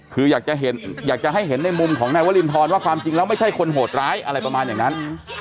คืออยากจะให้เห็นในมุมของนายวรินทรว่าความจริงแล้วไม่ใช่คนโหดร้ายอะไรประมาณอย่างนั้น